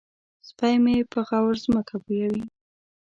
سپی مې په غور ځمکه بویوي.